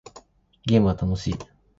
ゲームは楽しい